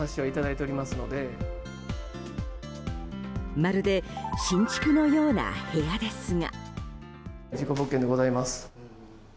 まるで新築のような部屋ですが。